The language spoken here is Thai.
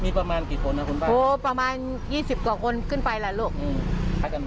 มีประมาณกี่คนนะคุณป้าโอ้ประมาณยี่สิบกว่าคนขึ้นไปล่ะลูกอืม